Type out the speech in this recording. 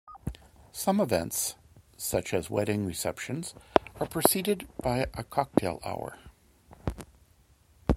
Some events, such as wedding receptions, are preceded by a cocktail hour.